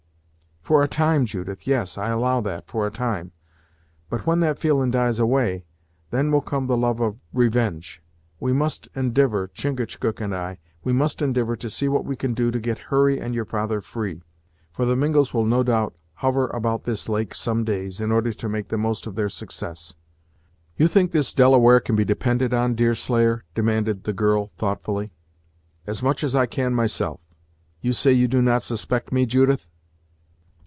"For a time, Judith; yes, I allow that, for a time. But when that feelin' dies away, then will come the love of revenge. We must indivor, Chingachgook and I, we must indivor to see what we can do to get Hurry and your father free; for the Mingos will no doubt hover about this lake some days, in order to make the most of their success." "You think this Delaware can be depended on, Deerslayer?" demanded the girl, thoughtfully. "As much as I can myself. You say you do not suspect me, Judith?"